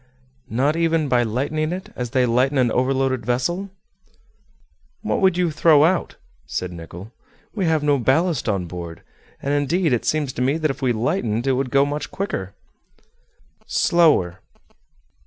"Not even by lightening it, as they lighten an overloaded vessel?" "What would you throw out?" said Nicholl. "We have no ballast on board; and indeed it seems to me that if lightened it would go much quicker." "Slower."